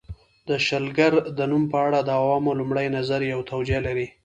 د شلګر د نوم په اړه د عوامو لومړی نظر یوه توجیه لري